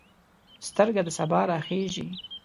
سترګه د سبا راخیژي